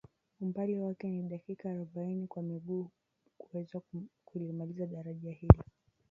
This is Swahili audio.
Umbali wake ni dakika arobaini kwa miguu kuweza kulimaliza daraja hilo